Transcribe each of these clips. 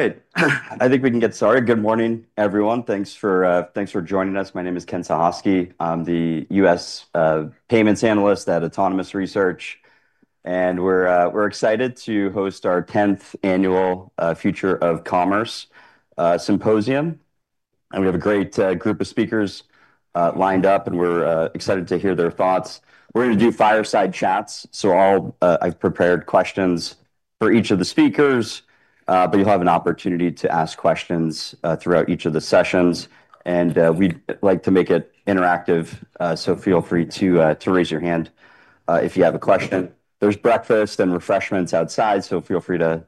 All right, I think we can get started. Good morning, everyone. Thanks for joining us. My name is Ken Suchoski. I'm the U.S. payments analyst at Autonomous Research. We're excited to host our 10th annual Future of Commerce symposium. We have a great group of speakers lined up, and we're excited to hear their thoughts. We're going to do fireside chats, so I've prepared questions for each of the speakers. You'll have an opportunity to ask questions throughout each of the sessions. We'd like to make it interactive, so feel free to raise your hand if you have a question. There's breakfast and refreshments outside, so feel free to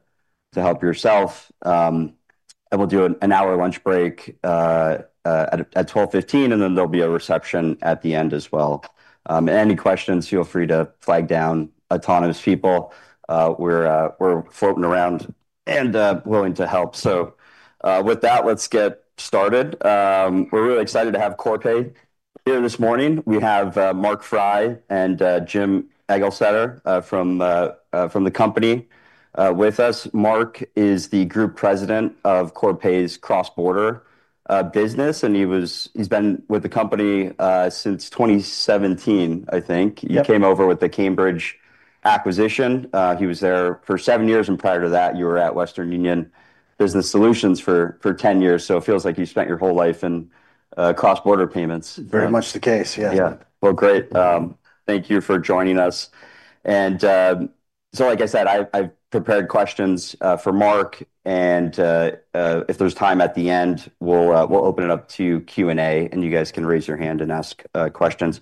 help yourself. We'll do an hour lunch break at 12:15 P.M., and then there'll be a reception at the end as well. Any questions, feel free to flag down Autonomous People. We're floating around and willing to help. With that, let's get started. We're really excited to have Corpay here this morning. We have Mark Frey and Jim Eglseder from the company with us. Mark is the Group President of Corpay's cross-border business, and he's been with the company since 2017, I think. You came over with the Cambridge acquisition. He was there for seven years, and prior to that, you were at Western Union Business Solutions for 10 years. It feels like you've spent your whole life in cross-border payments. Very much the case, yeah. Great, thank you for joining us. Like I said, I've prepared questions for Mark. If there's time at the end, we'll open it up to Q&A, and you can raise your hand and ask questions.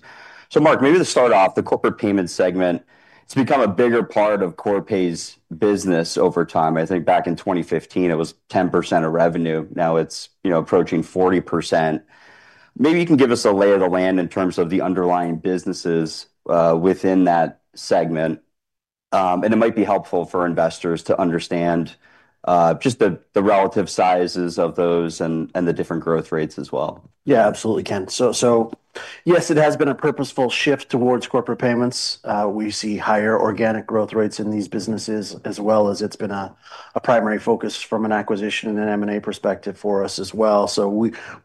Mark, maybe to start off, the corporate payment segment has become a bigger part of Corpay's business over time. I think back in 2015, it was 10% of revenue. Now it's approaching 40%. Maybe you can give us a lay of the land in terms of the underlying businesses within that segment. It might be helpful for investors to understand just the relative sizes of those and the different growth rates as well. Yeah, absolutely, Ken. Yes, it has been a purposeful shift towards corporate payments. We see higher organic growth rates in these businesses, as well as it's been a primary focus from an acquisition and M&A perspective for us as well.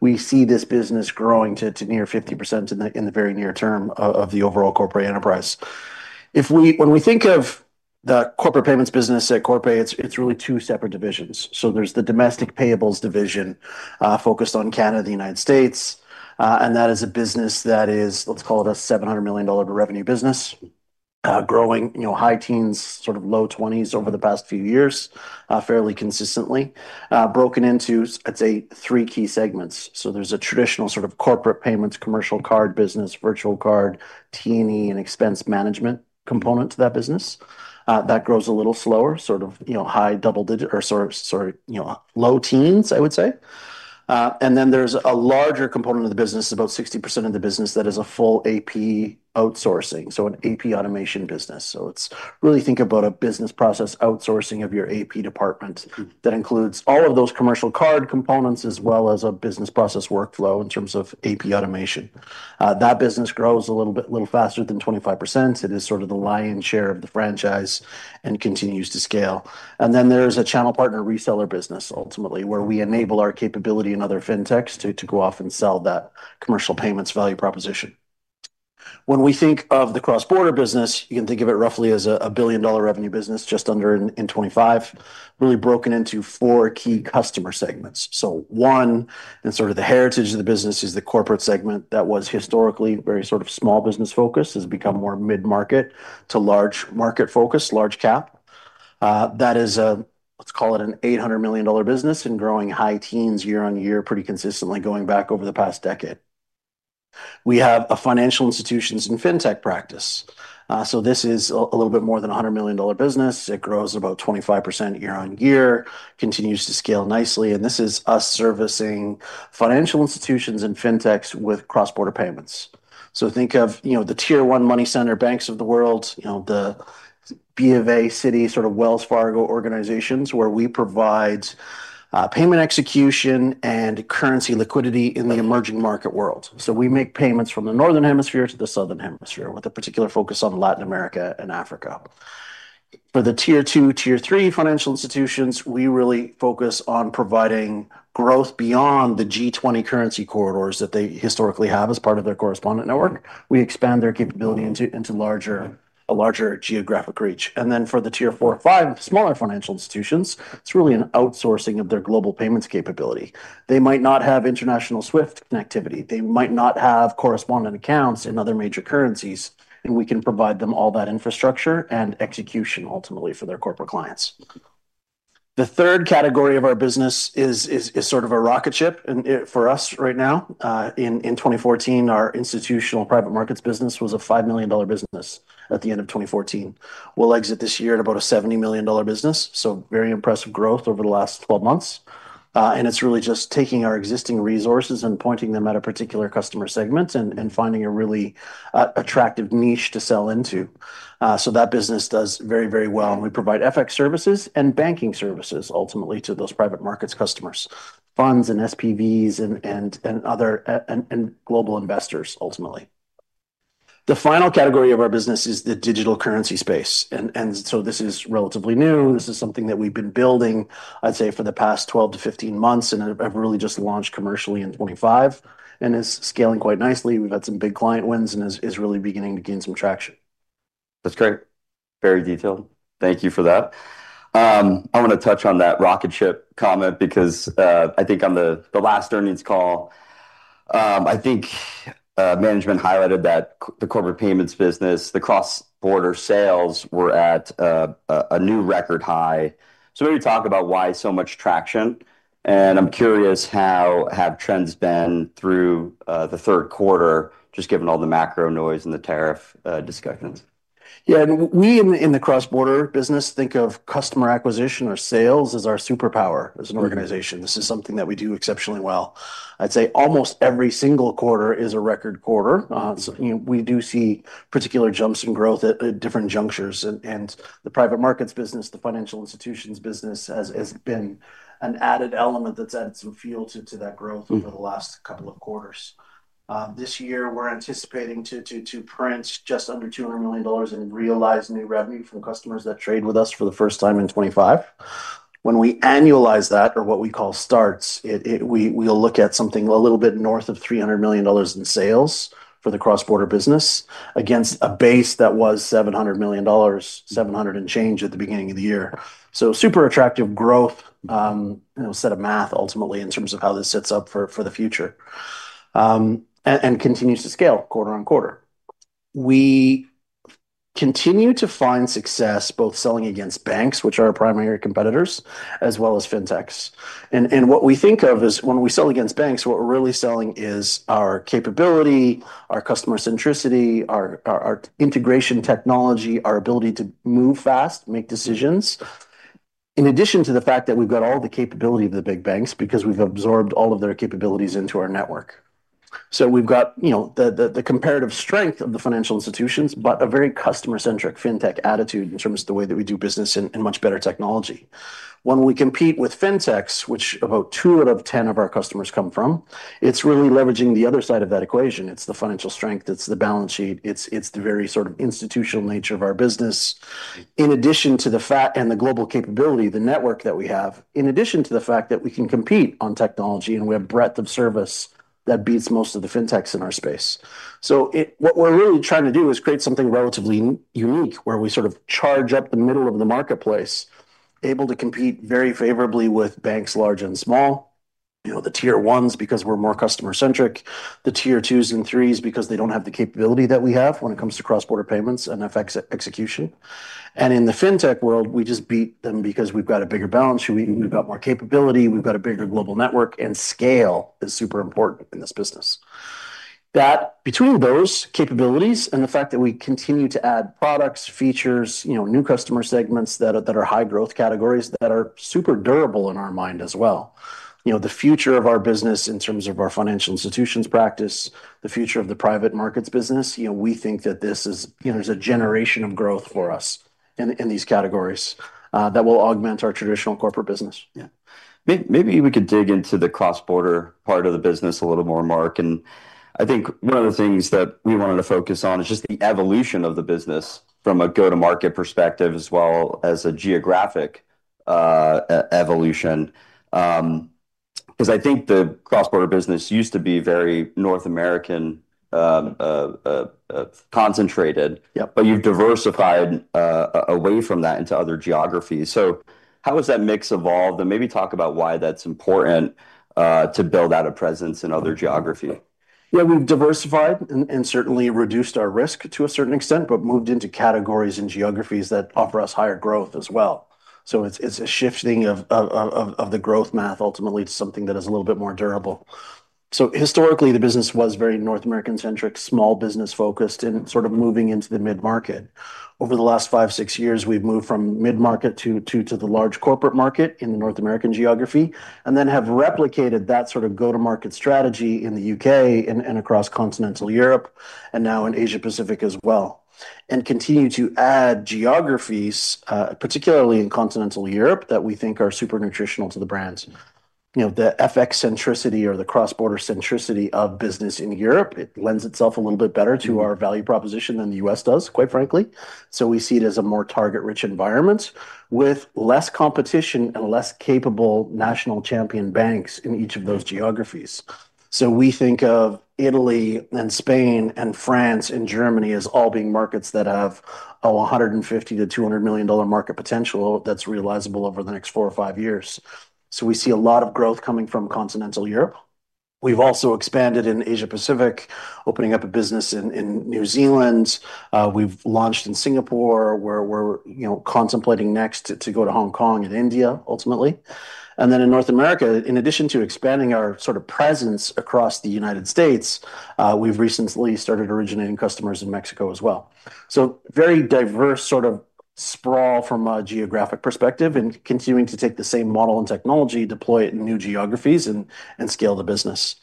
We see this business growing to near 50% in the very near term of the overall corporate enterprise. When we think of the corporate payments business at Corpay, it's really two separate divisions. There's the domestic payables division focused on Canada, the United States. That is a business that is, let's call it a $700 million revenue business, growing high teens, sort of low 20s over the past few years fairly consistently, broken into, I'd say, three key segments. There's a traditional sort of corporate payments, commercial card business, virtual card, T&E, and expense management component to that business. That grows a little slower, sort of high double-digit or low teens, I would say. There's a larger component of the business, about 60% of the business, that is a full AP outsourcing, so an AP automation business. It's really think about a business process outsourcing of your AP department that includes all of those commercial card components, as well as a business process workflow in terms of AP automation. That business grows a little faster than 25%. It is sort of the lion's share of the franchise and continues to scale. There's a channel partner reseller business, ultimately, where we enable our capability and other fintechs to go off and sell that commercial payments value proposition. When we think of the cross-border business, you can think of it roughly as a $1 billion revenue business, just under in 2025, really broken into four key customer segments. One, and sort of the heritage of the business, is the corporate segment that was historically very sort of small business focused. It's become more mid-market to large market focus, large cap. That is a, let's call it an $800 million business and growing high teens year on year pretty consistently, going back over the past decade. We have a financial institutions and fintech practice. This is a little bit more than a $100 million business. It grows about 25% year on year, continues to scale nicely. This is us servicing financial institutions and fintechs with cross border payments. Think of the tier one money center banks of the world, you know, the B of A, Citi, sort of Wells Fargo organizations, where we provide payment execution and currency liquidity in the emerging market world. We make payments from the northern hemisphere to the southern hemisphere, with a particular focus on Latin America and Africa. For the tier two, tier three financial institutions, we really focus on providing growth beyond the G20 currency corridors that they historically have as part of their correspondent network. We expand their capability into a larger geographic reach. For the tier four, five, smaller financial institutions, it's really an outsourcing of their global payments capability. They might not have international SWIFT connectivity. They might not have correspondent accounts in other major currencies. We can provide them all that infrastructure and execution, ultimately, for their corporate clients. The third category of our business is sort of a rocket ship for us right now. In 2014, our institutional private markets business was a $5 million business at the end of 2014. We'll exit this year in about a $70 million business, so very impressive growth over the last 12 months. It's really just taking our existing resources and pointing them at a particular customer segment and finding a really attractive niche to sell into. That business does very, very well. We provide FX services and banking services, ultimately, to those private markets customers, funds and SPVs and global investors, ultimately. The final category of our business is the digital currency space. This is relatively new. This is something that we've been building, I'd say, for the past 12 to 15 months and have really just launched commercially in 2025 and is scaling quite nicely. We've had some big client wins and is really beginning to gain some traction. That's great. Very detailed. Thank you for that. I want to touch on that rocket ship comment because I think on the last earnings call, I think management highlighted that the corporate payments business, the cross-border sales were at a new record high. Maybe talk about why so much traction. I'm curious, how have trends been through the third quarter, just given all the macro noise and the tariff discussions? Yeah, I mean, we in the cross-border business think of customer acquisition or sales as our superpower as an organization. This is something that we do exceptionally well. I'd say almost every single quarter is a record quarter. We do see particular jumps in growth at different junctures. The private markets business, the financial institutions business has been an added element that's added some fuel to that growth over the last couple of quarters. This year, we're anticipating to print just under $200 million and realize new revenue from customers that trade with us for the first time in 2025. When we annualize that, or what we call starts, we'll look at something a little bit north of $300 million in sales for the cross-border business against a base that was $700 million, $700 and change at the beginning of the year. Super attractive growth, set of math, ultimately, in terms of how this sets up for the future and continues to scale quarter on quarter. We continue to find success both selling against banks, which are our primary competitors, as well as fintechs. What we think of is when we sell against banks, what we're really selling is our capability, our customer centricity, our integration technology, our ability to move fast, make decisions, in addition to the fact that we've got all the capability of the big banks because we've absorbed all of their capabilities into our network. We've got the comparative strength of the financial institutions, but a very customer-centric fintech attitude in terms of the way that we do business and much better technology. When we compete with fintechs, which about 2 out of 10 of our customers come from, it's really leveraging the other side of that equation. It's the financial strength. It's the balance sheet. It's the very sort of institutional nature of our business, in addition to the fact and the global capability, the network that we have, in addition to the fact that we can compete on technology, and we have breadth of service that beats most of the fintechs in our space. What we're really trying to do is create something relatively unique, where we sort of charge up the middle of the marketplace, able to compete very favorably with banks, large and small, you know, the tier ones because we're more customer-centric, the tier twos and threes because they don't have the capability that we have when it comes to cross border payments and FX execution. In the fintech world, we just beat them because we've got a bigger balance sheet, we've got more capability, we've got a bigger global network, and scale is super important in this business. Between those capabilities and the fact that we continue to add products, features, new customer segments that are high growth categories that are super durable in our mind as well, the future of our business in terms of our financial institutions practice, the future of the private markets business, we think that this is, you know, there's a generation of growth for us in these categories that will augment our traditional corporate business. Yeah. Maybe we could dig into the cross-border part of the business a little more, Mark. I think one of the things that we wanted to focus on is just the evolution of the business from a go-to-market perspective, as well as a geographic evolution. I think the cross-border business used to be very North American, concentrated. You've diversified away from that into other geographies. How has that mix evolved? Maybe talk about why that's important to build out a presence in other geography. Yeah, we've diversified and certainly reduced our risk to a certain extent, but moved into categories and geographies that offer us higher growth as well. It's a shifting of the growth math, ultimately, to something that is a little bit more durable. Historically, the business was very North American-centric, small business focused, and sort of moving into the mid-market. Over the last five, six years, we've moved from mid-market to the large corporate market in the North American geography and then have replicated that sort of go-to-market strategy in the UK and across continental Europe and now in Asia-Pacific as well, and continue to add geographies, particularly in continental Europe, that we think are super nutritional to the brand. The FX centricity or the cross-border centricity of business in Europe lends itself a little bit better to our value proposition than the U.S. does, quite frankly. We see it as a more target-rich environment with less competition and less capable national champion banks in each of those geographies. We think of Italy and Spain and France and Germany as all being markets that have a $150 to $200 million market potential that's realizable over the next four or five years. We see a lot of growth coming from continental Europe. We've also expanded in Asia-Pacific, opening up a business in New Zealand. We've launched in Singapore. We're contemplating next to go to Hong Kong and India, ultimately. In North America, in addition to expanding our sort of presence across the United States, we've recently started originating customers in Mexico as well. Very diverse sort of sprawl from a geographic perspective and continuing to take the same model and technology, deploy it in new geographies, and scale the business.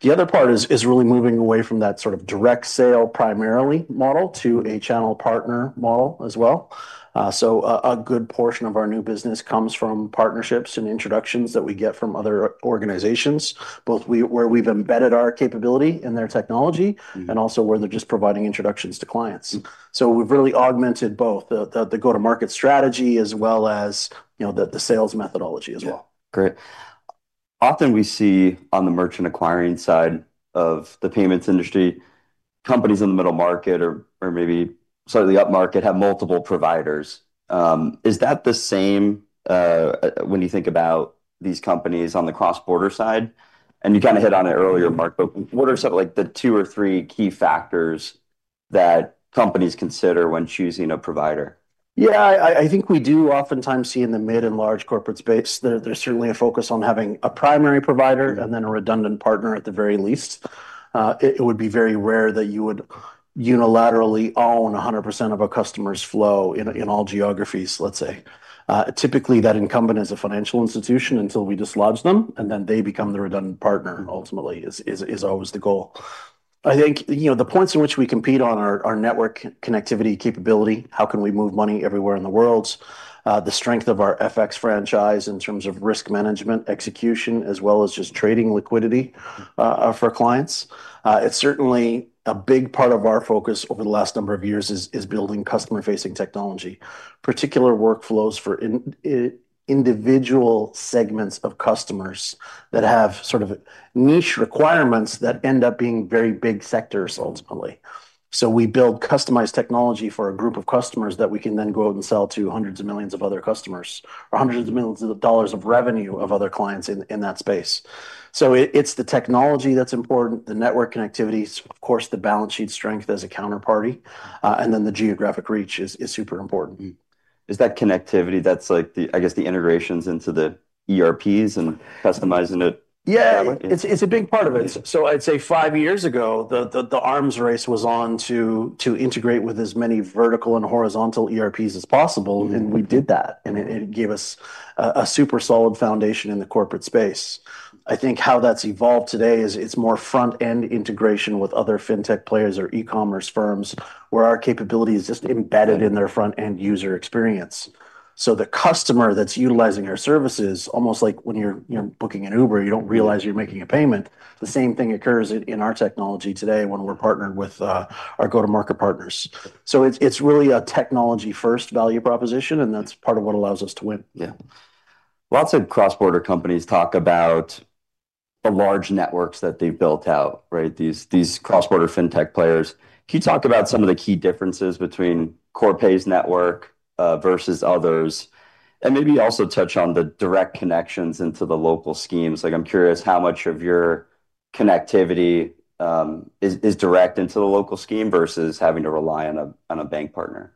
The other part is really moving away from that sort of direct sale primarily model to a channel partner model as well. A good portion of our new business comes from partnerships and introductions that we get from other organizations, both where we've embedded our capability in their technology and also where they're just providing introductions to clients. We've really augmented both the go-to-market strategy as well as the sales methodology as well. Great. Often, we see on the merchant acquiring side of the payments industry, companies in the middle market or maybe slightly up market have multiple providers. Is that the same when you think about these companies on the cross-border side? You kind of hit on it earlier, Mark, but what are some of the two or three key factors that companies consider when choosing a provider? Yeah, I think we do oftentimes see in the mid and large corporate space, there's certainly a focus on having a primary provider and then a redundant partner at the very least. It would be very rare that you would unilaterally own 100% of a customer's flow in all geographies, let's say. Typically, that incumbent is a financial institution until we dislodge them, and then they become the redundant partner, ultimately, is always the goal. I think the points in which we compete on are our network connectivity capability, how can we move money everywhere in the world, the strength of our FX franchise in terms of risk management, execution, as well as just trading liquidity for clients. It's certainly a big part of our focus over the last number of years is building customer-facing technology, particular workflows for individual segments of customers that have sort of niche requirements that end up being very big sectors, ultimately. We build customized technology for a group of customers that we can then go out and sell to hundreds of millions of other customers or hundreds of millions of dollars of revenue of other clients in that space. It's the technology that's important, the network connectivities, of course, the balance sheet strength as a counterparty, and then the geographic reach is super important. Is that connectivity, that's like the, I guess, the integrations into the ERPs and customizing it? Yeah, it's a big part of it. I'd say five years ago, the arms race was on to integrate with as many vertical and horizontal ERPs as possible. We did that, and it gave us a super solid foundation in the corporate space. I think how that's evolved today is it's more front-end integration with other fintech players or e-commerce firms where our capability is just embedded in their front-end user experience. The customer that's utilizing our services, almost like when you're booking an Uber, you don't realize you're making a payment. The same thing occurs in our technology today when we're partnering with our go-to-market partners. It's really a technology-first value proposition, and that's part of what allows us to win. Yeah. Lots of cross-border companies talk about the large networks that they've built out, right, these cross-border fintech players. Can you talk about some of the key differences between Corpay's network versus others? Maybe also touch on the direct connections into the local schemes. I'm curious how much of your connectivity is direct into the local scheme versus having to rely on a bank partner.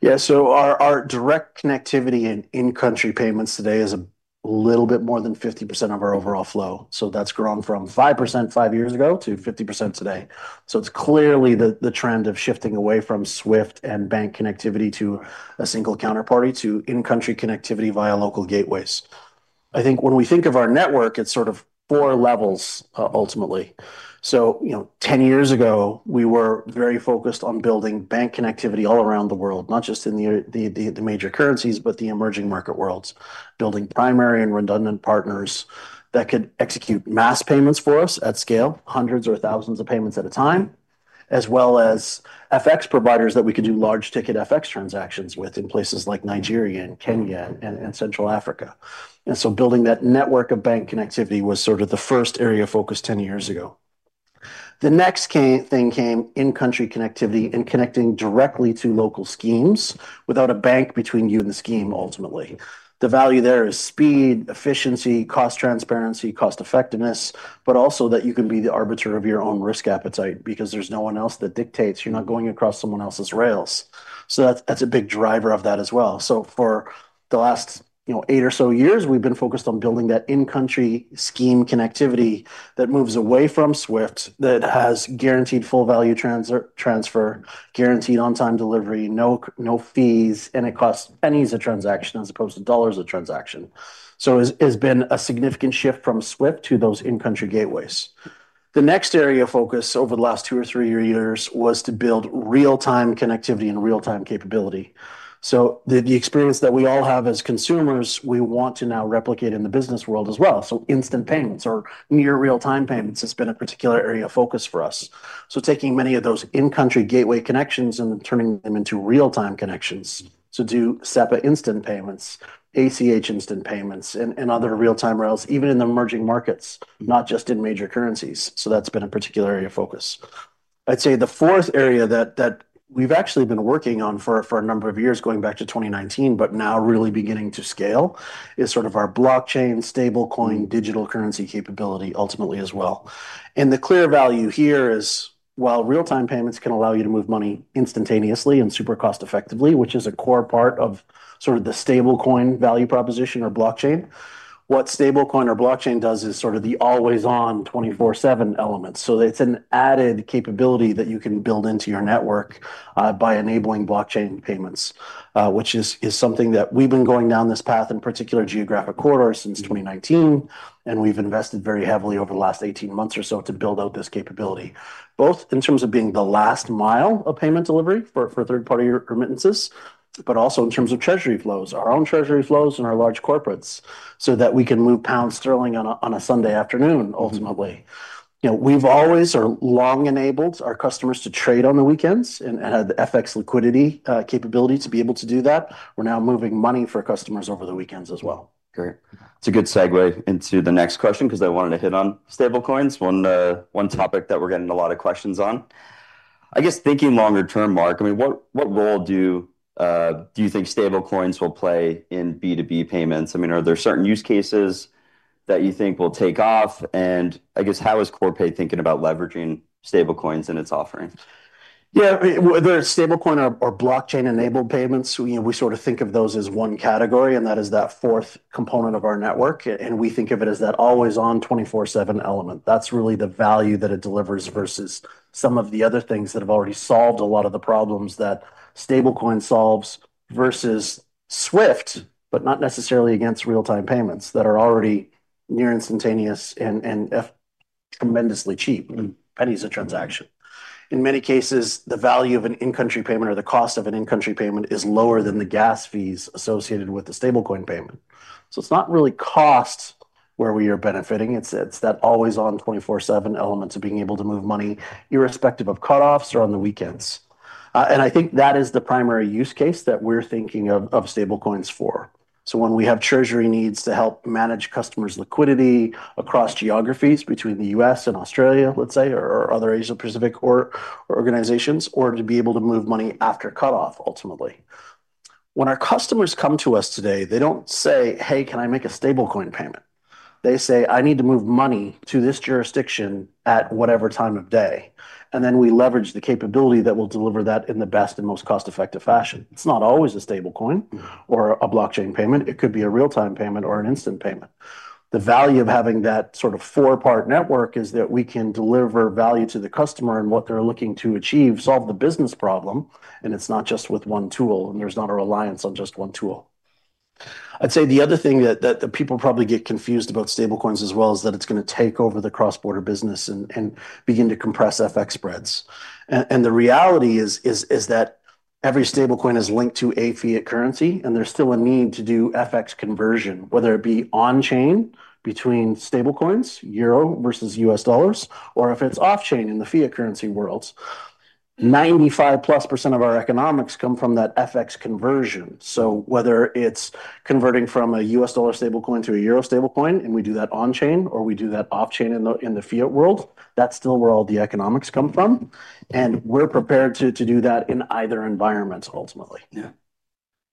Yeah, so our direct connectivity in in-country payments today is a little bit more than 50% of our overall flow. That's grown from 5% five years ago to 50% today. It's clearly the trend of shifting away from SWIFT and bank connectivity to a single counterparty to in-country connectivity via local gateways. I think when we think of our network, it's sort of four levels, ultimately. Ten years ago, we were very focused on building bank connectivity all around the world, not just in the major currencies, but the emerging market worlds, building primary and redundant partners that could execute mass payments for us at scale, hundreds or thousands of payments at a time, as well as FX providers that we could do large ticket FX transactions with in places like Nigeria and Kenya and Central Africa. Building that network of bank connectivity was sort of the first area of focus ten years ago. The next thing came in-country connectivity and connecting directly to local schemes without a bank between you and the scheme, ultimately. The value there is speed, efficiency, cost transparency, cost effectiveness, but also that you can be the arbiter of your own risk appetite because there's no one else that dictates. You're not going across someone else's rails. That's a big driver of that as well. For the last eight or so years, we've been focused on building that in-country scheme connectivity that moves away from SWIFT, that has guaranteed full value transfer, guaranteed on-time delivery, no fees, and it costs pennies a transaction as opposed to dollars a transaction. It has been a significant shift from SWIFT to those in-country gateways. The next area of focus over the last two or three years was to build real-time connectivity and real-time capability. The experience that we all have as consumers, we want to now replicate in the business world as well. Instant payments or near real-time payments has been a particular area of focus for us. Taking many of those in-country gateway connections and turning them into real-time connections to do SEPA instant payments, ACH instant payments, and other real-time routes, even in the emerging markets, not just in major currencies, has been a particular area of focus. I'd say the fourth area that we've actually been working on for a number of years, going back to 2019, but now really beginning to scale, is sort of our blockchain, stablecoin, digital currency capability, ultimately, as well. The clear value here is, while real-time payments can allow you to move money instantaneously and super cost-effectively, which is a core part of the stablecoin value proposition or blockchain, what stablecoin or blockchain does is the always-on, 24/7 element. It's an added capability that you can build into your network by enabling blockchain payments, which is something that we've been going down this path in particular geographic corridors since 2019. We've invested very heavily over the last 18 months or so to build out this capability, both in terms of being the last mile of payment delivery for third-party remittances, but also in terms of treasury flows, our own treasury flows and our large corporates, so that we can loot pounds sterling on a Sunday afternoon, ultimately. We've always or long enabled our customers to trade on the weekends and had the FX liquidity capability to be able to do that. We're now moving money for customers over the weekends as well. Great. It's a good segue into the next question because I wanted to hit on stablecoins, one topic that we're getting a lot of questions on. I guess thinking longer term, Mark, what role do you think stablecoins will play in B2B payments? Are there certain use cases that you think will take off? How is Corpay thinking about leveraging stablecoins in its offerings? Yeah, the stablecoin or blockchain-enabled payments, we sort of think of those as one category, and that is that fourth component of our network. We think of it as that always-on, 24/7 element. That's really the value that it delivers versus some of the other things that have already solved a lot of the problems that stablecoin solves versus SWIFT, but not necessarily against real-time payments that are already near instantaneous and tremendously cheap, pennies a transaction. In many cases, the value of an in-country payment or the cost of an in-country payment is lower than the gas fees associated with the stablecoin payment. It's not really cost where we are benefiting. It's that always-on, 24/7 element of being able to move money irrespective of cutoffs or on the weekends. I think that is the primary use case that we're thinking of stablecoins for. When we have treasury needs to help manage customers' liquidity across geographies between the U.S. and Australia, let's say, or other Asia-Pacific organizations, or to be able to move money after cutoff, ultimately. When our customers come to us today, they don't say, hey, can I make a stablecoin payment? They say, I need to move money to this jurisdiction at whatever time of day. We leverage the capability that will deliver that in the best and most cost-effective fashion. It's not always a stablecoin or a blockchain payment. It could be a real-time payment or an instant payment. The value of having that sort of four-part network is that we can deliver value to the customer and what they're looking to achieve, solve the business problem. It's not just with one tool, and there's not a reliance on just one tool. I'd say the other thing that people probably get confused about stablecoins as well is that it's going to take over the cross-border business and begin to compress FX spreads. The reality is that every stablecoin is linked to a fiat currency, and there's still a need to do FX conversion, whether it be on chain between stablecoins, euro versus U.S. dollars, or if it's off chain in the fiat currency world. 95%+ of our economics come from that FX conversion. Whether it's converting from a U.S. dollar stablecoin to a euro stablecoin, and we do that on chain, or we do that off chain in the fiat world, that's still where all the economics come from. We're prepared to do that in either environment, ultimately. Yeah,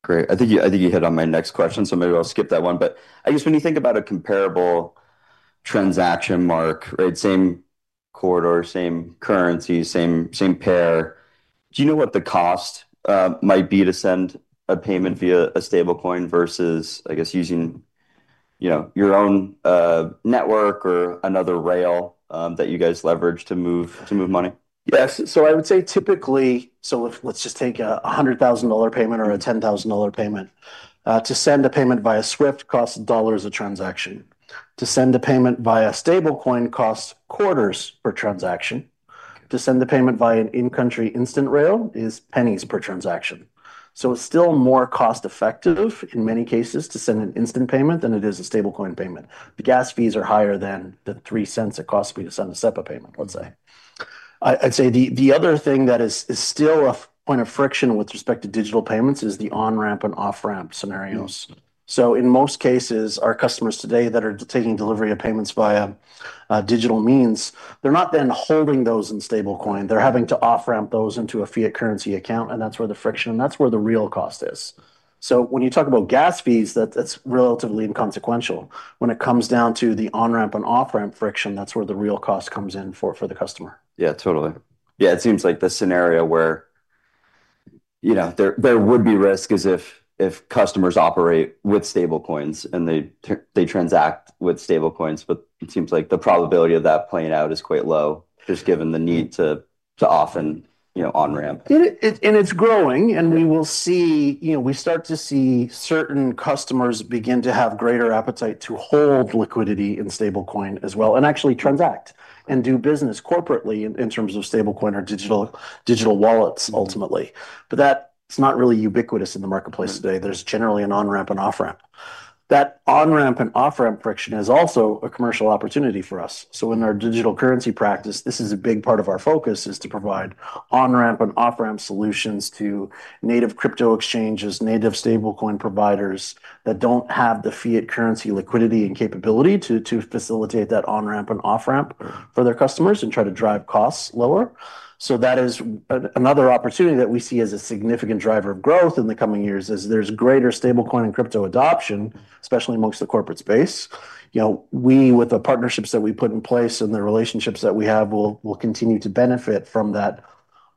great. I think you hit on my next question, so maybe I'll skip that one. I guess when you think about a comparable transaction, Mark, same corridor, same currency, same pair, do you know what the cost might be to send a payment via a stablecoin versus, I guess, using your own network or another rail that you guys leverage to move money? Yes, so I would say typically, let's just take a $100,000 payment or a $10,000 payment. To send a payment via SWIFT costs dollars a transaction. To send a payment via stablecoin costs quarters per transaction. To send a payment via an in-country instant rail is pennies per transaction. It is still more cost-effective in many cases to send an instant payment than it is a stablecoin payment. The gas fees are higher than the $0.03 it costs me to send a SEPA payment, let's say. The other thing that is still a point of friction with respect to digital payments is the on-ramp and off-ramp scenarios. In most cases, our customers today that are taking delivery of payments via digital means, they're not then serving those in stablecoin. They're having to off-ramp those into a fiat currency account, and that's where the friction, and that's where the real cost is. When you talk about gas fees, that's relatively inconsequential. When it comes down to the on-ramp and off-ramp friction, that's where the real cost comes in for the customer. Yeah, totally. It seems like the scenario where there would be risk is if customers operate with stablecoins and they transact with stablecoins, but it seems like the probability of that playing out is quite low, just given the need to often on-ramp. It's growing, and we will see, you know, we start to see certain customers begin to have greater appetite to hold liquidity in stablecoin as well and actually transact and do business corporately in terms of stablecoin or digital wallets, ultimately. That's not really ubiquitous in the marketplace today. There's generally an on-ramp and off-ramp. That on-ramp and off-ramp friction is also a commercial opportunity for us. In our digital currency practice, this is a big part of our focus, to provide on-ramp and off-ramp solutions to native crypto exchanges, native stablecoin providers that don't have the fiat currency liquidity and capability to facilitate that on-ramp and off-ramp for their customers and try to drive costs lower. That is another opportunity that we see as a significant driver of growth in the coming years as there's greater stablecoin and crypto adoption, especially amongst the corporate space. With the partnerships that we put in place and the relationships that we have, we will continue to benefit from that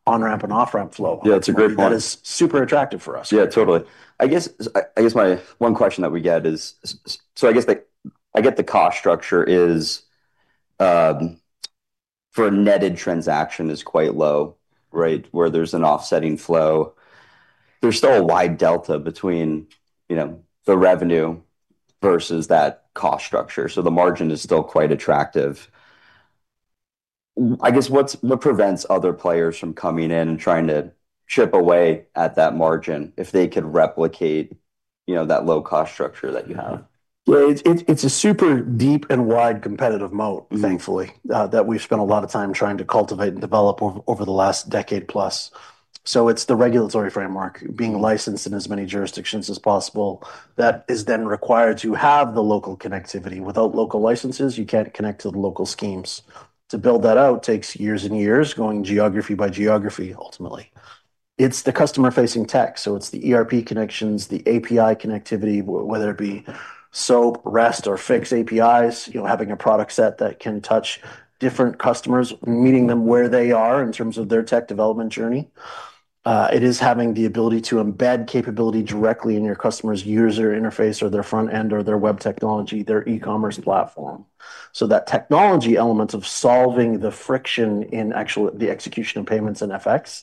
on-ramp and off-ramp flow. Yeah, it's a great point. That is super attractive for us. Yeah, totally. I guess my one question that we get is, I get the cost structure is for a netted transaction is quite low, right, where there's an offsetting flow. There's still a wide delta between the revenue versus that cost structure. The margin is still quite attractive. I guess what prevents other players from coming in and trying to chip away at that margin if they could replicate that low-cost structure that you have? It's a super deep and wide competitive moat, thankfully, that we've spent a lot of time trying to cultivate and develop over the last decade plus. It's the regulatory framework, being licensed in as many jurisdictions as possible that is then required to have the local connectivity. Without local licenses, you can't connect to the local schemes. To build that out takes years and years, going geography by geography, ultimately. It's the customer-facing tech. It's the ERP connections, the API connectivity, whether it be SOAP, REST, or Fixed APIs, having a product set that can touch different customers, meeting them where they are in terms of their tech development journey. It is having the ability to embed capability directly in your customer's user interface or their front end or their web technology, their e-commerce platform. That technology element of solving the friction in actually the execution of payments and FX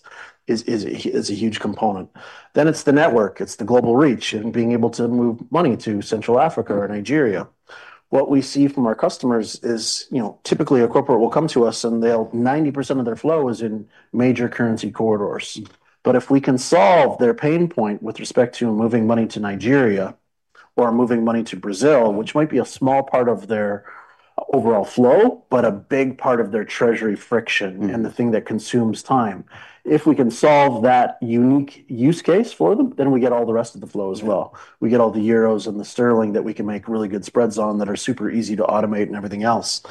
is a huge component. It's the network. It's the global reach and being able to move money to Central Africa or Nigeria. What we see from our customers is typically a corporate will come to us and 90% of their flow is in major currency corridors. If we can solve their pain point with respect to moving money to Nigeria or moving money to Brazil, which might be a small part of their overall flow, but a big part of their treasury friction and the thing that consumes time, if we can solve that unique use case for them, we get all the rest of the flow as well. We get all the euros and the sterling that we can make really good spreads on that are super easy to automate and everything else.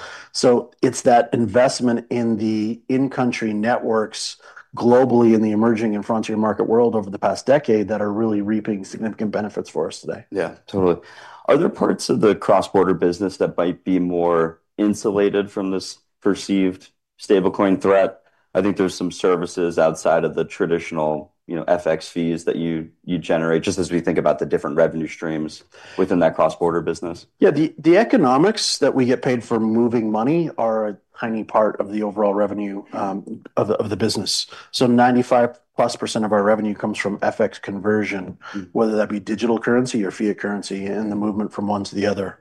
That investment in the in-country networks globally in the emerging and frontier market world over the past decade is really reaping significant benefits for us today. Yeah, totally. Are there parts of the cross-border business that might be more insulated from this perceived stablecoin threat? I think there's some services outside of the traditional FX fees that you generate, just as we think about the different revenue streams within that cross-border business. Yeah, the economics that we get paid for moving money are a tiny part of the overall revenue of the business. 95%+ of our revenue comes from FX conversion, whether that be digital currency or fiat currency, and the movement from one to the other.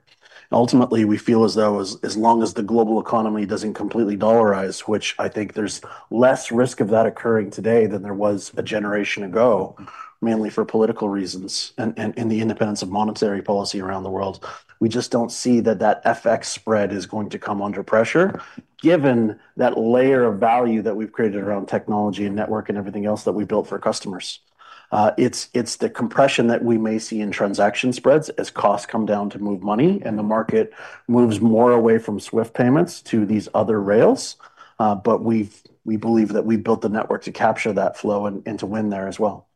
Ultimately, we feel as though as long as the global economy doesn't completely dollarize, which I think there's less risk of that occurring today than there was a generation ago, mainly for political reasons and in the independence of monetary policy around the world, we just don't see that that FX spread is going to come under pressure, given that layer of value that we've created around technology and network and everything else that we built for customers. It's the compression that we may see in transaction spreads as costs come down to move money, and the market moves more away from SWIFT payments to these other rails. We believe that we built the network to capture that flow and to win there as well.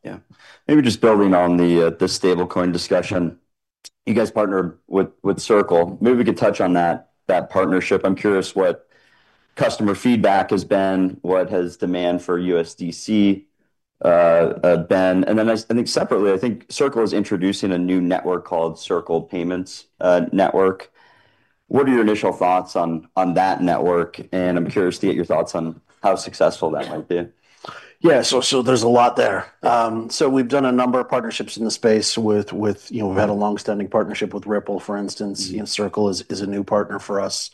Maybe just building on the stablecoin discussion, you guys partnered with Circle. Maybe we could touch on that partnership. I'm curious what customer feedback has been, what has demand for USDC been. I think separately, I think Circle is introducing a new network called Circle Payments Network. What are your initial thoughts on that network? I'm curious to get your thoughts on how successful that might be. Yeah, there's a lot there. We've done a number of partnerships in the space. We've had a longstanding partnership with Ripple, for instance. Circle is a new partner for us.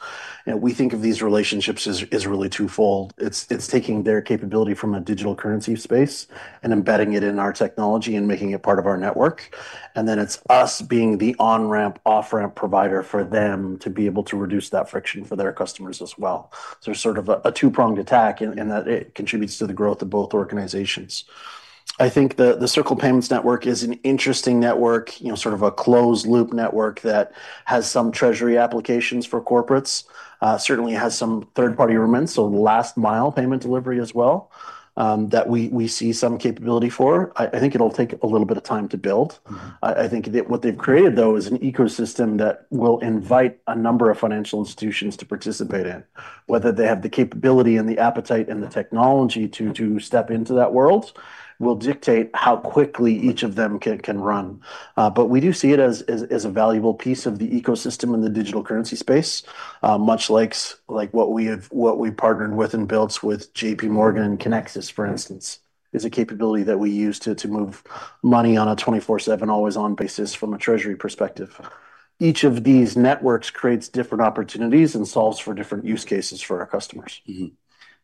We think of these relationships as really twofold. It's taking their capability from a digital currency space and embedding it in our technology and making it part of our network. It's us being the on-ramp, off-ramp provider for them to be able to reduce that friction for their customers as well. It's sort of a two-pronged attack in that it contributes to the growth of both organizations. I think the Circle Payments Network is an interesting network, sort of a closed loop network that has some treasury applications for corporates, certainly has some third-party remittance, last mile payment delivery as well, that we see some capability for. I think it'll take a little bit of time to build. I think that what they've created, though, is an ecosystem that will invite a number of financial institutions to participate in. Whether they have the capability and the appetite and the technology to step into that world will dictate how quickly each of them can run. We do see it as a valuable piece of the ecosystem in the digital currency space, much like what we've partnered with and built with JP Morgan and Kinexys, for instance, is a capability that we use to move money on a 24/7, always-on basis from a treasury perspective. Each of these networks creates different opportunities and solves for different use cases for our customers.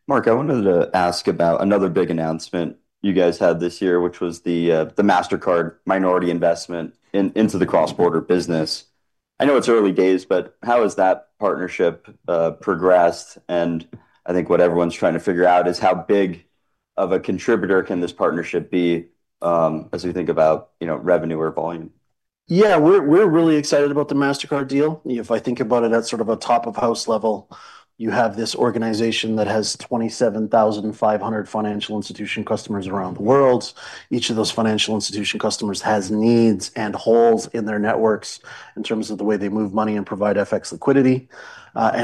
Mark, I wanted to ask about another big announcement you guys had this year, which was the Mastercard minority investment into the cross-border business. I know it's early days, but how has that partnership progressed? I think what everyone's trying to figure out is how big of a contributor can this partnership be as we think about revenue or volume. Yeah, we're really excited about the Mastercard deal. If I think about it at sort of a top-of-house level, you have this organization that has 27,500 financial institution customers around the world. Each of those financial institution customers has needs and holes in their networks in terms of the way they move money and provide FX liquidity.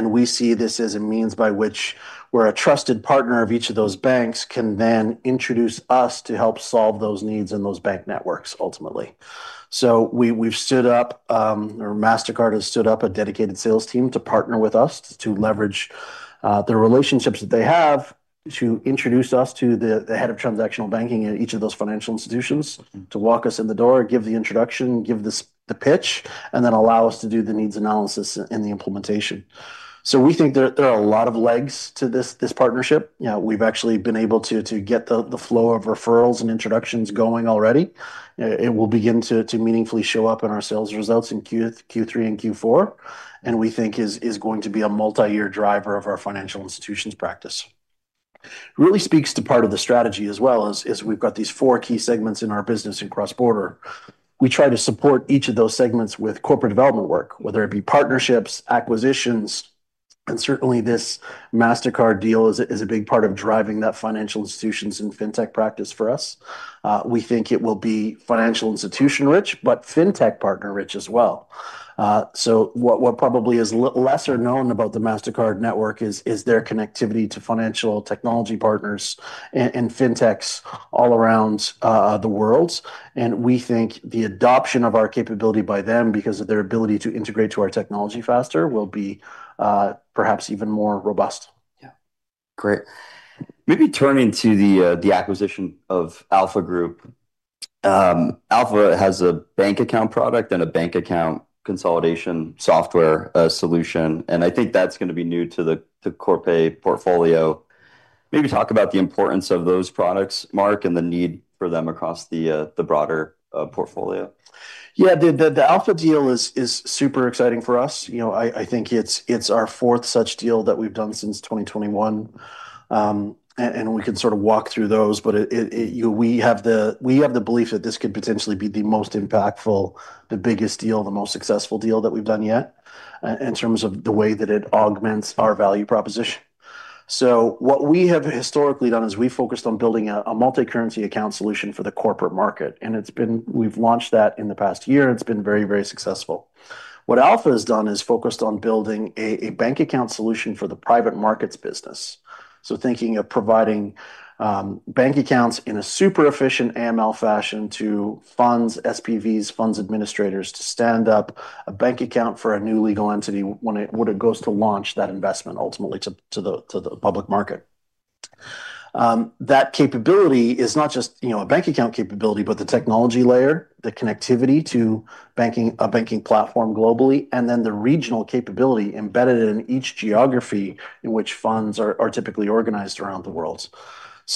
We see this as a means by which where a trusted partner of each of those banks can then introduce us to help solve those needs in those bank networks, ultimately. We've stood up, or Mastercard has stood up, a dedicated sales team to partner with us to leverage the relationships that they have to introduce us to the head of transactional banking at each of those financial institutions, to walk us in the door, give the introduction, give the pitch, and then allow us to do the needs analysis and the implementation. We think that there are a lot of legs to this partnership. We've actually been able to get the flow of referrals and introductions going already. It will begin to meaningfully show up in our sales results in Q3 and Q4. We think it is going to be a multi-year driver of our financial institutions practice. It really speaks to part of the strategy as well as we've got these four key segments in our business across border. We try to support each of those segments with corporate development work, whether it be partnerships or acquisitions. Certainly, this Mastercard deal is a big part of driving that financial institutions and fintech practice for us. We think it will be financial institution-rich, but fintech partner-rich as well. What probably is lesser known about the Mastercard network is their connectivity to financial technology partners and fintechs all around the world. We think the adoption of our capability by them because of their ability to integrate to our technology faster will be perhaps even more robust. Yeah, great. Maybe turning to the acquisition of Alpha Group, Alpha has a bank account product and a bank account consolidation software solution. I think that's going to be new to the Corpay portfolio. Maybe talk about the importance of those products, Mark, and the need for them across the broader portfolio. Yeah, the Alpha deal is super exciting for us. I think it's our fourth such deal that we've done since 2021. We can sort of walk through those, but we have the belief that this could potentially be the most impactful, the biggest deal, the most successful deal that we've done yet in terms of the way that it augments our value proposition. What we have historically done is we've focused on building a multi-currency account product for the corporate market, and we've launched that in the past year. It's been very, very successful. What Alpha has done is focused on building a bank account solution for the private markets business, thinking of providing bank accounts in a super efficient AML fashion to funds, SPVs, funds administrators to stand up a bank account for a new legal entity when it goes to launch that investment ultimately to the public market. That capability is not just a bank account capability, but the technology layer, the connectivity to a banking platform globally, and then the regional capability embedded in each geography in which funds are typically organized around the world.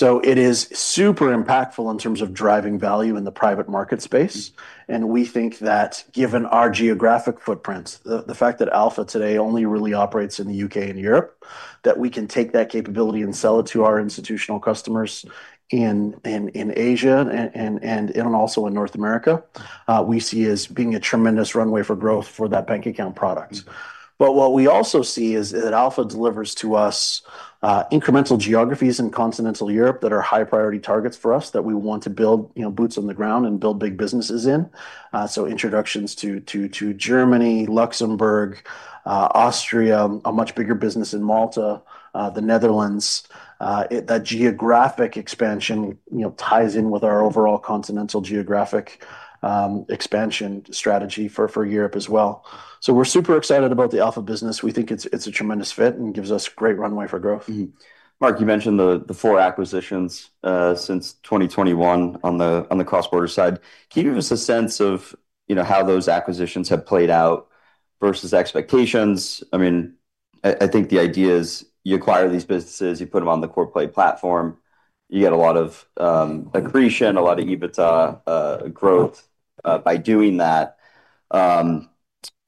It is super impactful in terms of driving value in the private market space. We think that given our geographic footprints, the fact that Alpha today only really operates in the UK and Europe, we can take that capability and sell it to our institutional customers in Asia and also in North America. We see as being a tremendous runway for growth for that bank account product. We also see that Alpha delivers to us incremental geographies in continental Europe that are high-priority targets for us that we want to build boots on the ground and build big businesses in. Introductions to Germany, Luxembourg, Austria, a much bigger business in Malta, the Netherlands. That geographic expansion ties in with our overall continental geographic expansion strategy for Europe as well. We're super excited about the Alpha business. We think it's a tremendous fit and gives us great runway for growth. Mark, you mentioned the four acquisitions since 2021 on the cross-border side. Can you give us a sense of how those acquisitions have played out versus expectations? I think the idea is you acquire these businesses, you put them on the Corpay platform, you get a lot of accretion, a lot of EBITDA growth by doing that. I'm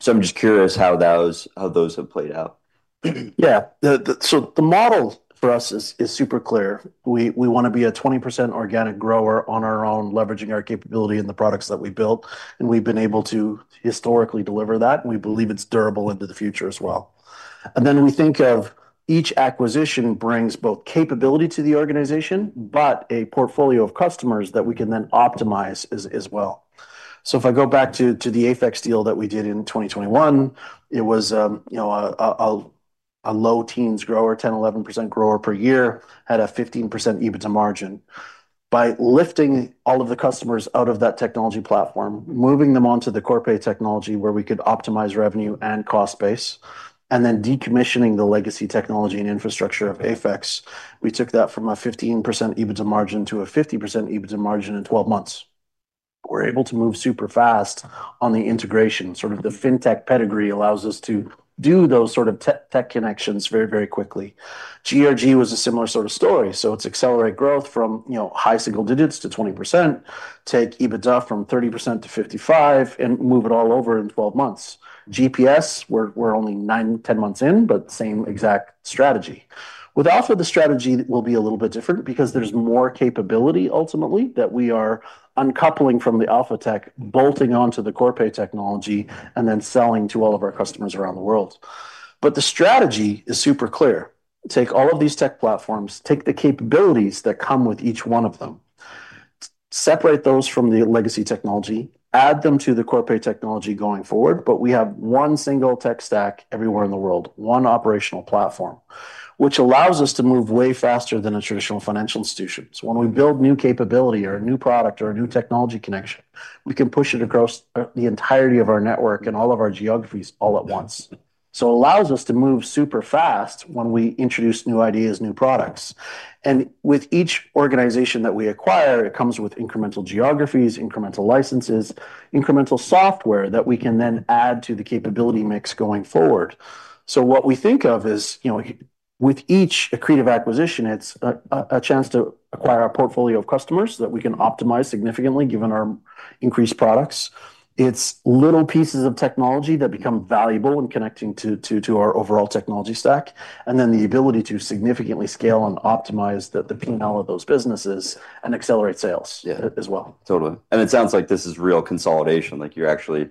just curious how those have played out. Yeah, so the model for us is super clear. We want to be a 20% organic grower on our own, leveraging our capability in the products that we built. We've been able to historically deliver that, and we believe it's durable into the future as well. We think of each acquisition as bringing both capability to the organization and a portfolio of customers that we can then optimize as well. If I go back to the AFEX deal that we did in 2021, it was a low teens grower, 10%, 11% grower per year, had a 15% EBITDA margin. By lifting all of the customers out of that technology platform, moving them onto the Corpay technology where we could optimize revenue and cost base, and then decommissioning the legacy technology and infrastructure of AFEX, we took that from a 15% EBITDA margin to a 50% EBITDA margin in 12 months. We're able to move super fast on the integration. The fintech pedigree allows us to do those sort of tech connections very, very quickly. GOG was a similar sort of story. It's accelerate growth from high single digits to 20%, take EBITDA from 30% to 55%, and move it all over in 12 months. GPS, we're only nine, 10 months in, but same exact strategy. With Alpha, the strategy will be a little bit different because there's more capability ultimately that we are uncoupling from the Alpha tech, bolting onto the Corpay technology, and then selling to all of our customers around the world. The strategy is super clear. Take all of these tech platforms, take the capabilities that come with each one of them, separate those from the legacy technology, add them to the Corpay technology going forward. We have one single tech stack everywhere in the world, one operational platform, which allows us to move way faster than a traditional financial institution. When we build new capability or a new product or a new technology connection, we can push it across the entirety of our network and all of our geographies all at once. It allows us to move super fast when we introduce new ideas, new products. With each organization that we acquire, it comes with incremental geographies, incremental licenses, incremental software that we can then add to the capability mix going forward. What we think of is, you know, with each accretive acquisition, it's a chance to acquire a portfolio of customers that we can optimize significantly given our increased products. It's little pieces of technology that become valuable in connecting to our overall technology stack, and then the ability to significantly scale and optimize the P&L of those businesses and accelerate sales as well. Totally. It sounds like this is real consolidation. You're actually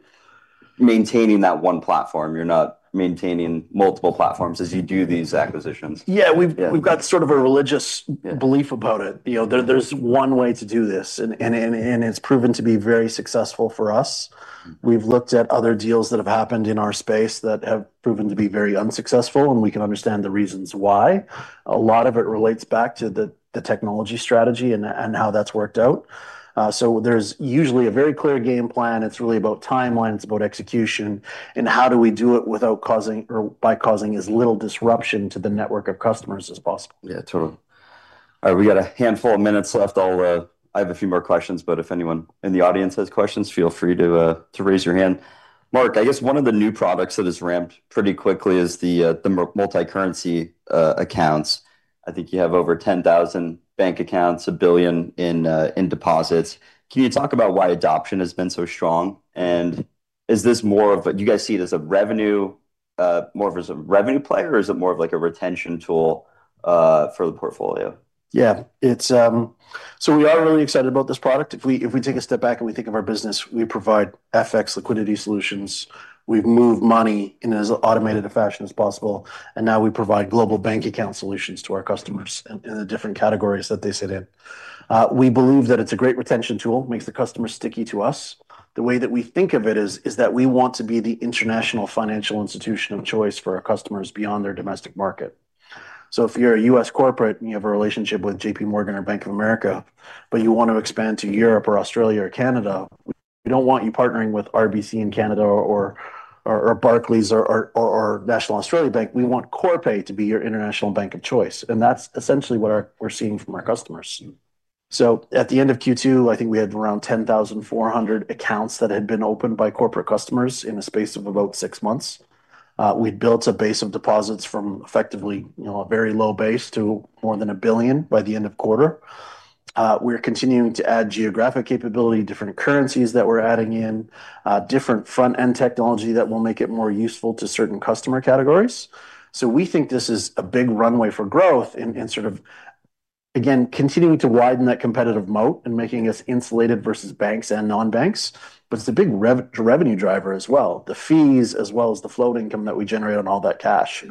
maintaining that one platform. You're not maintaining multiple platforms as you do these acquisitions. Yeah, we've got sort of a religious belief about it. You know, there's one way to do this, and it's proven to be very successful for us. We've looked at other deals that have happened in our space that have proven to be very unsuccessful, and we can understand the reasons why. A lot of it relates back to the technology strategy and how that's worked out. There's usually a very clear game plan. It's really about timeline, about execution, and how do we do it without causing or by causing as little disruption to the network of customers as possible? Yeah, totally. All right, we got a handful of minutes left. I have a few more questions, but if anyone in the audience has questions, feel free to raise your hand. Mark, I guess one of the new products that has ramped pretty quickly is the multi-currency account product. I think you have over 10,000 bank accounts, $1 billion in deposits. Can you talk about why adoption has been so strong? Is this more of, you guys see it as a revenue, more of as a revenue play, or is it more of like a retention tool for the portfolio? Yeah, it's, so we are really excited about this product. If we take a step back and we think of our business, we provide FX liquidity solutions. We've moved money in as automated a fashion as possible. Now we provide global bank account solutions to our customers in the different categories that they sit in. We believe that it's a great retention tool, makes the customer sticky to us. The way that we think of it is that we want to be the international financial institution of choice for our customers beyond their domestic market. If you're a U.S. corporate and you have a relationship with JP Morgan or Bank of America, but you want to expand to Europe or Australia or Canada, we don't want you partnering with RBC in Canada or Barclays or National Australia Bank. We want Corpay to be your international bank of choice. That's essentially what we're seeing from our customers. At the end of Q2, I think we had around 10,400 accounts that had been opened by corporate customers in a space of about six months. We'd built a base of deposits from effectively a very low base to more than $1 billion by the end of the quarter. We're continuing to add geographic capability, different currencies that we're adding in, different front-end technology that will make it more useful to certain customer categories. We think this is a big runway for growth in sort of, again, continuing to widen that competitive moat and making us insulated versus banks and non-banks. It's a big revenue driver as well, the fees as well as the float income that we generate on all that cash.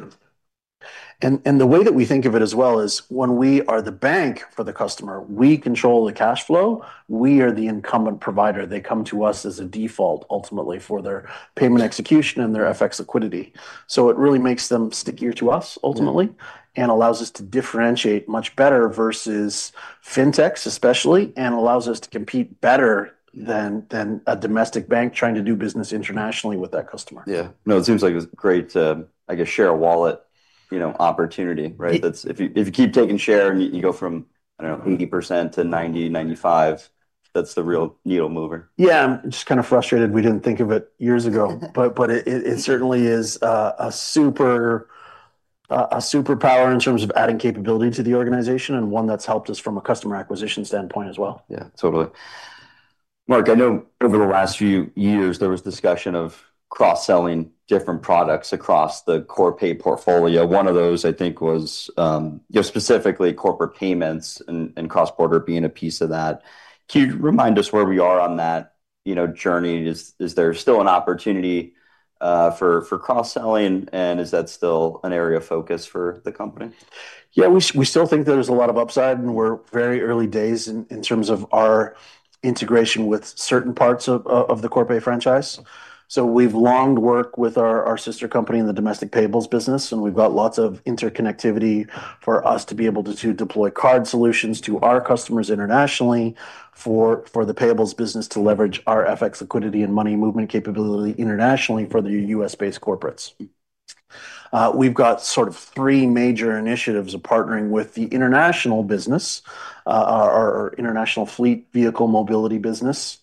The way that we think of it as well is when we are the bank for the customer, we control the cash flow. We are the incumbent provider. They come to us as a default, ultimately, for their payment execution and their FX liquidity. It really makes them stickier to us, ultimately, and allows us to differentiate much better versus fintechs, especially, and allows us to compete better than a domestic bank trying to do business internationally with that customer. Yeah, it seems like it's great to, I guess, share a wallet opportunity, right? If you keep taking share and you go from, I don't know, 80% to 90%, 95%, that's the real needle mover. Yeah, I'm just kind of frustrated we didn't think of it years ago. It certainly is a superpower in terms of adding capability to the organization and one that's helped us from a customer acquisition standpoint as well. Yeah, totally. Mark, I know over the last few years there was discussion of cross-selling different products across the Corpay portfolio. One of those, I think, was specifically corporate payments and cross-border being a piece of that. Can you remind us where we are on that journey, is there still an opportunity for cross-selling and is that still an area of focus for the company? Yeah, we still think there's a lot of upside and we're very early days in terms of our integration with certain parts of the Corpay franchise. We've long worked with our sister company in the domestic payables business, and we've got lots of interconnectivity for us to be able to deploy card solutions to our customers internationally, for the payables business to leverage our FX liquidity and money movement capability internationally for the U.S.-based corporates. We've got sort of three major initiatives of partnering with the international business, our international fleet vehicle mobility business.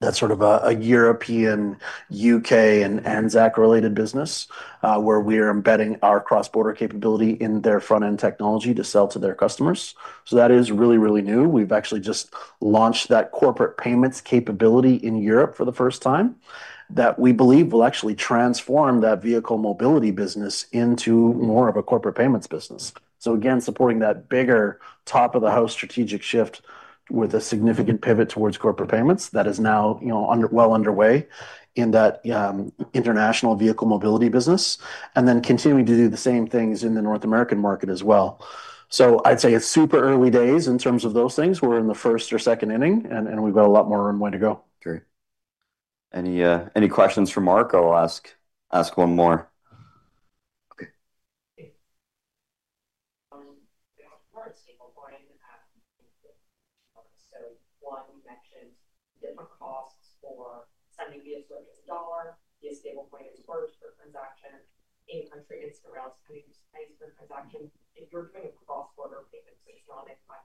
That's sort of a European, UK, and ANZAC-related business where we are embedding our cross-border capability in their front-end technology to sell to their customers. That is really, really new. We've actually just launched that corporate payments capability in Europe for the first time that we believe will actually transform that vehicle mobility business into more of a corporate payments business. Again, supporting that bigger top-of-the-house strategic shift with a significant pivot towards corporate payments that is now well underway in that international vehicle mobility business and then continuing to do the same things in the North American market as well. I'd say it's super early days in terms of those things. We're in the first or second inning, and we've got a lot more room way to go. Great. Any questions for Mark? I'll ask one more. One question is different costs for sending if like it's a dollar, if stablecoin is worth per transaction in country and relative to the transaction. If you're doing a cross-border payment system, I think by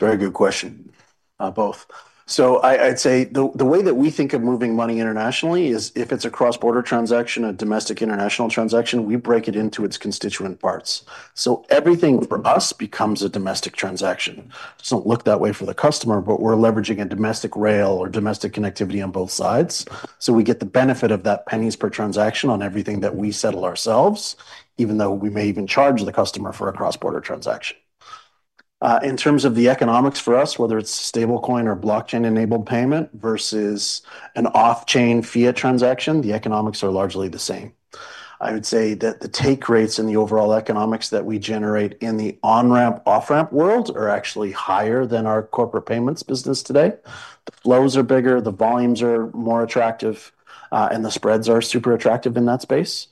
trading your dollar and stablecoin itself is about the same cost as stablecoin. Very good question, both. I'd say the way that we think of moving money internationally is if it's a cross-border transaction, a domestic international transaction, we break it into its constituent parts. Everything for us becomes a domestic transaction. It will look that way for the customer, but we're leveraging a domestic rail or domestic connectivity on both sides. We get the benefit of that pennies per transaction on everything that we settle ourselves, even though we may even charge the customer for a cross-border transaction. In terms of the economics for us, whether it's stablecoin or blockchain-enabled payment versus an off-chain fiat transaction, the economics are largely the same. I would say that the take rates and the overall economics that we generate in the on-ramp, off-ramp world are actually higher than our corporate payments business today. Lows are bigger, the volumes are more attractive, and the spreads are super attractive in that space.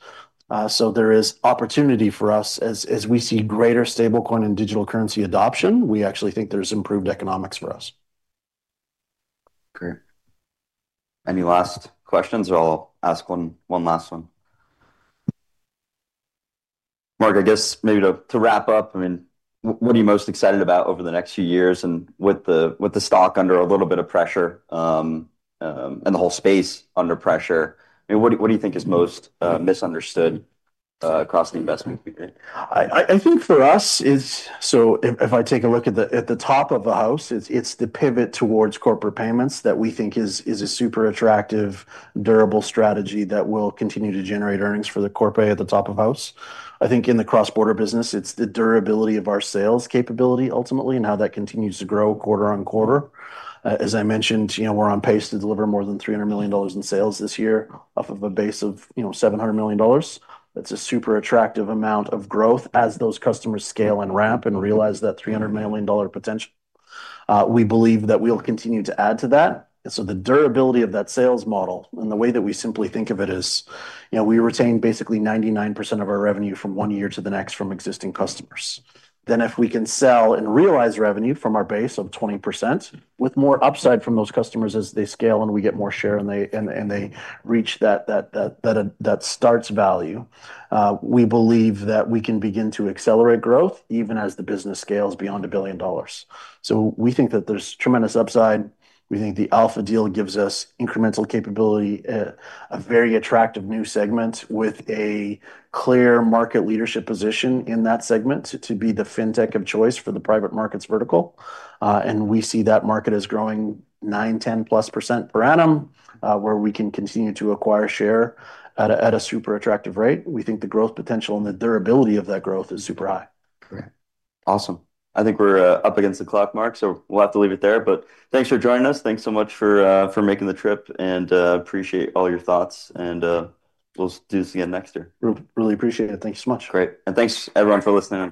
There is opportunity for us as we see greater stablecoin and digital currency adoption. We actually think there's improved economics for us. Great. Any last questions? I'll ask one last one. Mark, I guess maybe to wrap up, what are you most excited about over the next few years and with the stock under a little bit of pressure and the whole space under pressure? What do you think is most misunderstood across the investment community? I think for us, if I take a look at the top of the house, it's the pivot towards corporate payments that we think is a super attractive, durable strategy that will continue to generate earnings for Corpay at the top of the house. I think in the cross-border business, it's the durability of our sales capability ultimately and how that continues to grow quarter on quarter. As I mentioned, we're on pace to deliver more than $300 million in sales this year off of a base of $700 million. That's a super attractive amount of growth as those customers scale and ramp and realize that $300 million potential. We believe that we'll continue to add to that. The durability of that sales model and the way that we simply think of it is, we retain basically 99% of our revenue from one year to the next from existing customers. If we can sell and realize revenue from our base of 20% with more upside from those customers as they scale and we get more share and they reach that starts value, we believe that we can begin to accelerate growth even as the business scales beyond a billion dollars. We think that there's tremendous upside. We think the Alpha deal gives us incremental capability, a very attractive new segment with a clear market leadership position in that segment to be the fintech of choice for the private markets vertical. We see that market as growing 9, 10+% per annum, where we can continue to acquire share at a super attractive rate. We think the growth potential and the durability of that growth is super high. Great. Awesome. I think we're up against the clock, Mark, so we'll have to leave it there. Thanks for joining us. Thanks so much for making the trip and appreciate all your thoughts. We'll do this again next year. Really appreciate it. Thank you so much. Great, and thanks everyone for listening.